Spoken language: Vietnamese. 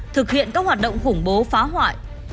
thực hiện các hoạt động khủng bố phá hoại